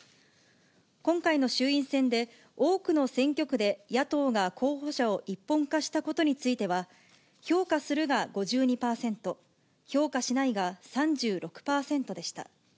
今回の衆院選で、多くの選挙区で野党が候補者を一本化したことについては、評価するが５２％、評価しないが３６％でした。